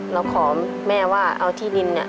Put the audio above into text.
เราขอแม่ว่าเอาที่ดินเนี่ย